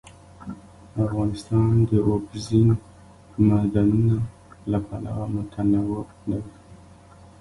افغانستان د اوبزین معدنونه له پلوه متنوع دی.